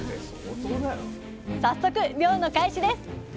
早速漁の開始です。